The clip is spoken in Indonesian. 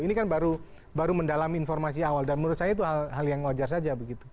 ini kan baru mendalami informasi awal dan menurut saya itu hal yang wajar saja begitu